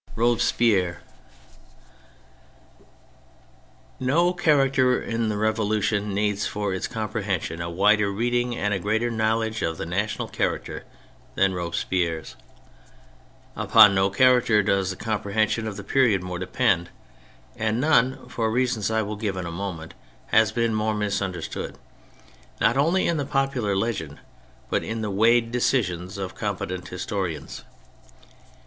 ^ ROBESPIERRE No character in the Revolution needs for its comprehension a wider reading and a greater knowledge of the national character than Robespierre's. Upon no character does the comprehension of the period more depend, and none (for reasons I will give in a moment) has been more misunderstood, not only in the popular legend but in the weighed decisions of com petent historians.